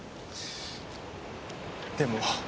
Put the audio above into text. でも。